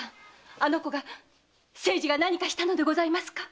あの子が清次が何かしたのでございますか？